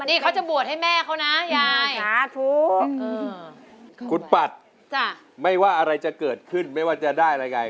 นี่เขาจะบวชให้แม่เขานะยายสาธุคุณปัดไม่ว่าอะไรจะเกิดขึ้นไม่ว่าจะได้อะไรไง